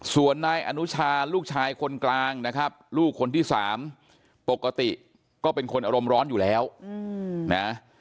ส่วนนายอนุชาลูกชายคนกลางนะครับลูกคนที่สามปกติก็เป็นคนอารมณ์ร้อนอยู่แล้วนะ